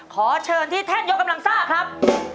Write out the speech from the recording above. ขอเชิญที่ท่านยกกำลังซ่าครับ